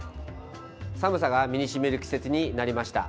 寒さが身にしみる季節になりました。